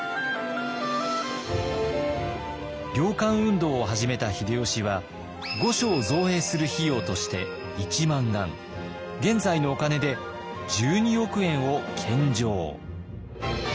猟官運動を始めた秀吉は御所を造営する費用として１万貫現在のお金で１２億円を献上。